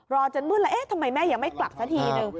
จนมืดแล้วเอ๊ะทำไมแม่ยังไม่กลับซะทีนึง